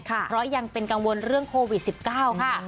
เพราะยังเป็นกังวลเรื่องโควิด๑๙ค่ะ